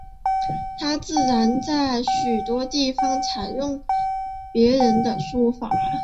他自然在很多地方要采用别人的说法。